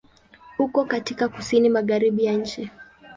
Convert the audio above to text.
Uko katika Kusini Magharibi ya nchi.